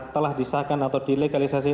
telah disahkan atau dilegalisasi